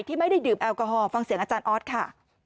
ไม่ได้ดื่มแอลกอฮอลฟังเสียงอาจารย์ออสค่ะ